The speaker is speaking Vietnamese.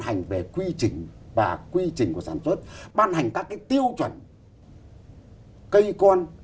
ban hành về quy trình và quy trình của sản xuất ban hành các cái tiêu chuẩn cây con